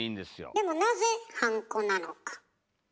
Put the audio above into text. でもなぜハンコなのか。